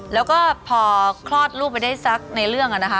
แล้วก็พอคลอดลูกไปได้สักในเรื่องอะนะคะ